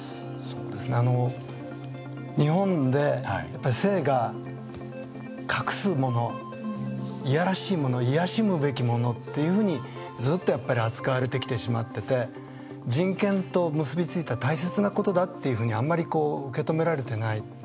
日本で性が隠すもの、いやらしいものいやしむべきものっていうふうにずっと扱われてきてしまってて人権と結び付いた大切なことだっていうふうにあんまり受け止められていない。